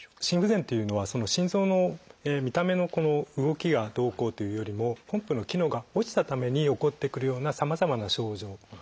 心不全というのは心臓の見た目の動きがどうこうというよりもポンプの機能が落ちたために起こってくるようなさまざまな症状